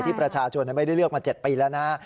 ประชาชนไม่ได้เลือกมา๗ปีแล้วนะฮะ